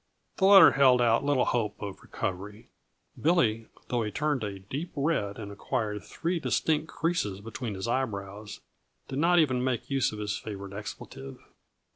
The letter held out little hope of recovery." Billy, though he turned a deep red and acquired three distinct creases between his eyebrows, did not even make use of his favorite expletive.